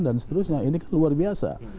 dan seterusnya ini kan luar biasa